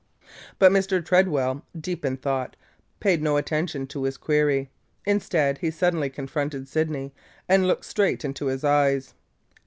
But Mr. Tredwell, deep in thought, paid no attention to his query. Instead he suddenly confronted Sydney and looked straight into his eyes.